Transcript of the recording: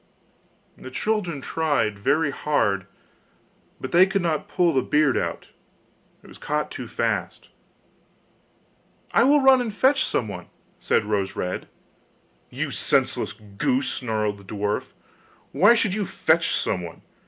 The children tried very hard, but they could not pull the beard out, it was caught too fast. 'I will run and fetch someone,' said Rose red. 'You senseless goose!' snarled the dwarf; 'why should you fetch someone?